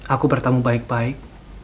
aku bertemu baik baik